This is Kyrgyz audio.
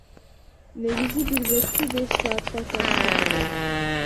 Негизи бир бетти беш саатта тартышат экен.